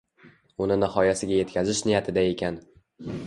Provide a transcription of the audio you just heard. Uni nihoyasiga yetkazish niyatida ekan